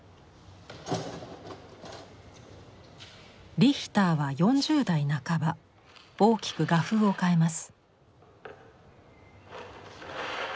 リヒターは４０代半ば大きく画風を変えます。